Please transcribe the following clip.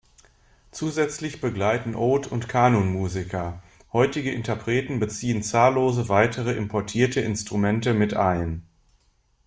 Zusätzlich begleiten Oud- und Kanun-Musiker, heutige Interpreten beziehen zahllose weitere importierte Instrumente mit ein.